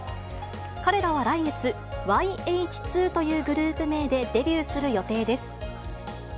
彼らは来月、ｙＨ２というグループ名でデビューする予定です。